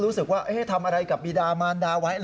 รู้สึกว่าทำอะไรกับบีดามารดาไว้